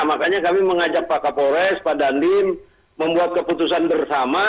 makanya kami mengajak pak kapolres pak dandim membuat keputusan bersama